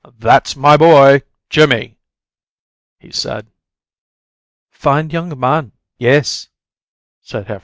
"That's my boy Jimmie!" he said. "Fine young man, yes," said Herr Favre.